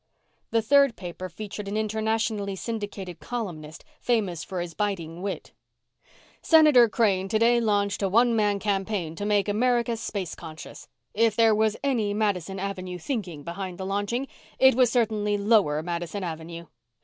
The third paper featured an internationally syndicated columnist, famous for his biting wit: Senator Crane today launched a one man campaign to make America space conscious. If there was any Madison Avenue thinking behind the launching it was certainly lower Madison Avenue.